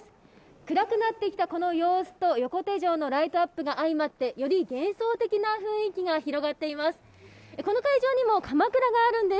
暗くなってきた様子と横手城が相まってより幻想的な雰囲気が広がっています。